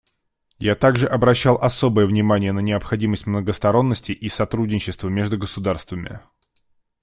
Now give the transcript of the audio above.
Я также обращал особое внимание на необходимость многосторонности и сотрудничества между государствами.